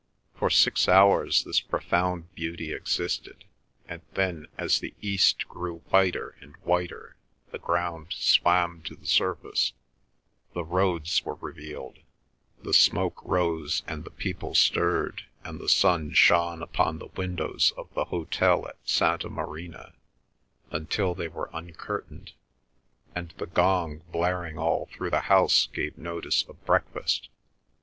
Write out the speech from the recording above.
For six hours this profound beauty existed, and then as the east grew whiter and whiter the ground swam to the surface, the roads were revealed, the smoke rose and the people stirred, and the sun shone upon the windows of the hotel at Santa Marina until they were uncurtained, and the gong blaring all through the house gave notice of breakfast.